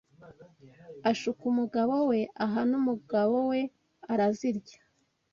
ashuka umugabo we “aha n’umugabo we, arazirya.”